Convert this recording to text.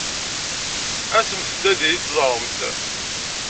Asemt-d ad iyi-teẓṛemt.